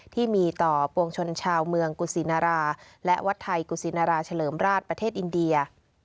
ที่มีต่อปวงชนชาวเมืองกุศินาราและวัดไทยกุศินาราเฉลิมราชประเทศอินเดีย